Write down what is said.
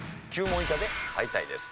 ９問以下で敗退です。